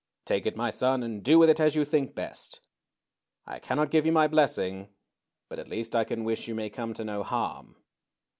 Take it, my son, and do with it as you think best. I cannot give you my blessing, but at least I can wish you may come to no harm."